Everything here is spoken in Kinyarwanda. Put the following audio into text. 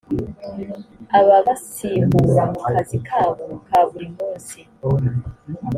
ababasimbura mu kazi kabo ka buri munsi